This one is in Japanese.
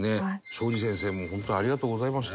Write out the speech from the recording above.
東海林先生も本当にありがとうございました。